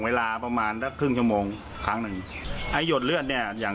เวลาประมาณสักครึ่งชั่วโมงครั้งหนึ่งไอ้หยดเลือดเนี้ยอย่าง